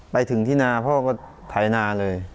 ไปถึงที่นาพ่อก็ไถนาเลย